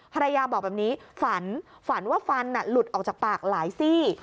ภรรยาบอกแบบนี้ฝันฝันว่าฟันหลุดออกจากปากหลายซี่